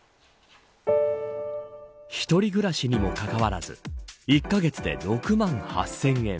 １人暮らしにもかかわらず１カ月で６万８０００円。